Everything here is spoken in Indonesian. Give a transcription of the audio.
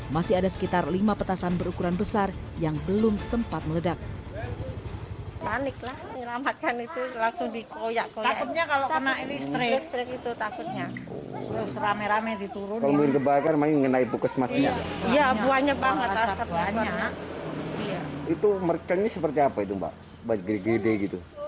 masih ada sekitar lima petasan berukuran besar yang belum sempat meledak